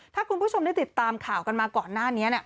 ถ้าคุณผู้ชมได้ติดตามข่าวกันมาก่อนหน้านี้